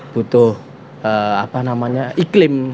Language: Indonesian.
butuh apa namanya iklim